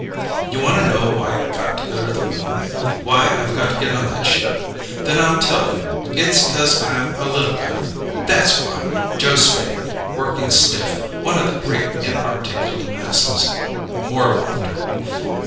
"You wanta know why I got to go to the Moon? Why I've got to get on that ship? Then I'll tell you. It's 'cause I'm a little guy that's why! Joe Spain working stiff one of the great inarticulate masses." More laughter.